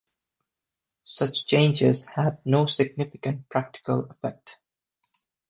Such changes had no significant practical effect.